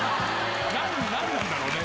何なんだろうね？